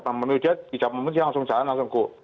menurut dia di jam sebelas langsung jalan langsung go